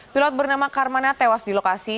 pilot bernama karmana tewas di lokasi